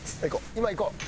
今いこう！